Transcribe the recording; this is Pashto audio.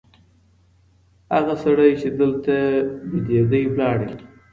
هغه سړی چي دلته بېدېدی ولاړی.